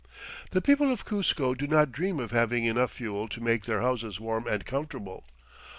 The people of Cuzco do not dream of having enough fuel to make their houses warm and comfortable.